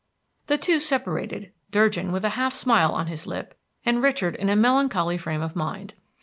The two separated, Durgin with a half smile on his lip, and Richard in a melancholy frame of mind.